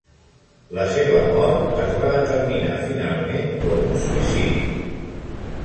La seva mort es va determinar finalment com un suïcidi.